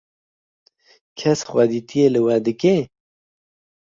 Kes xwedîtiyê li we dike?